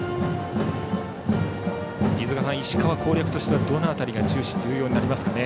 飯塚さん、石川攻略としてはどの辺りが重要になりますか？